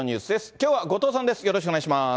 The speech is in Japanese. きょうは後藤さんです。